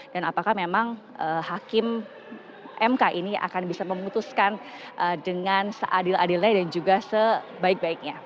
dan apakah memang hakim mk ini akan bisa memutuskan dengan seadil adilnya dan juga sebaik baiknya